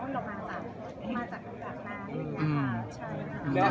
ไปดูน้ำกับใครจีบให้อยู่